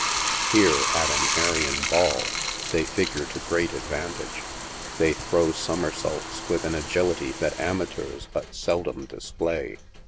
Here, at an Arion Ball, they figure to great advantage. They throw summer saults with an agility that amateurs but seldom display.